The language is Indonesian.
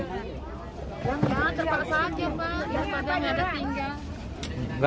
gak terpaksa aja pak daripada gak ada tinggal